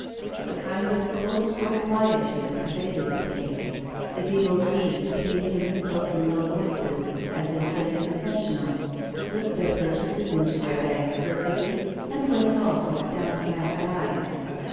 A kind of cloistral quietude pervaded the place; the devotees who came in spoke in low voices, as if in a confessional, slipped their purchases into their bags furtively, and went off with downcast eyes.